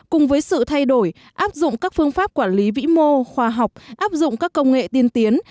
cùng với sự thay đổi áp dụng các phương pháp quản lý vĩ mô khoa học áp dụng các công nghệ tiên tiến